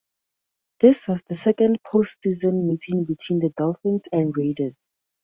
This was the second postseason meeting between the Dolphins and Raiders.